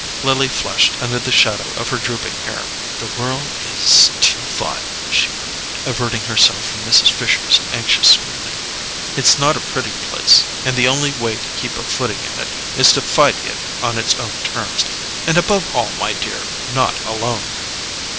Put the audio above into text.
Lily flushed under the shadow of her drooping hair. "The world is too vile," she murmured, averting herself from Mrs. Fisher's anxious scrutiny. "It's not a pretty place; and the only way to keep a footing in it is to fight it on its own terms—and above all, my dear, not alone!"